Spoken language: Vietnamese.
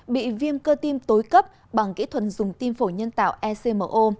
bị viêm cơ tim tối cấp bằng kỹ thuật dùng tim phổ nhân tạo ecmo